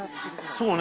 そうね